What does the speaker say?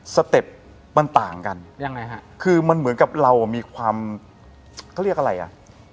สเต็ปมันต่างกันยังไงฮะคือมันเหมือนกับเราอ่ะมีความเขาเรียกอะไรอ่ะ